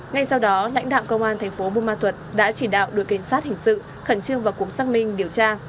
ngay sau đó lãnh đạo công an thành phố bô mo thuật đã chỉ đạo đuổi cảnh sát hình sự khẩn trương vào cuộc xác minh điều tra